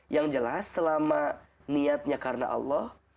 yang jelas selama niatnya karena allah